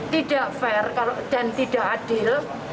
tidak fair dan tidak adil